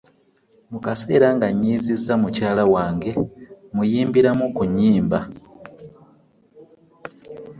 Mu kaseera nga nnyiizizza mukyala wange muyimbiramu ku nnyimba